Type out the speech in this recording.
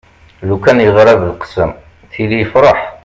lukan yeɣra belqsem tili yefreḥ